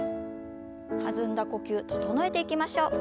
弾んだ呼吸整えていきましょう。